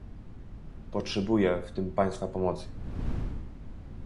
Potrzebuję w tym państwa pomocy